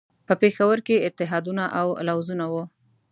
په پېښور کې اتحادونه او لوزونه وو.